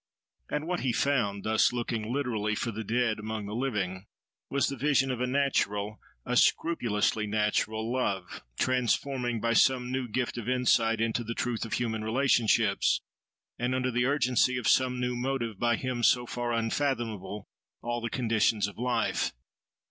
And what he found, thus looking, literally, for the dead among the living, was the vision of a natural, a scrupulously natural, love, transforming, by some new gift of insight into the truth of human relationships, and under the urgency of some new motive by him so far unfathomable, all the conditions of life.